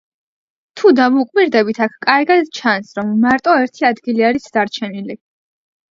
თუ დავუკვირდებით აქ კარგად ჩანს, რომ მარტო ერთი ადგილი არის დარჩენილი.